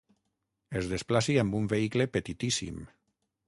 Es desplaci amb un vehicle petitíssim.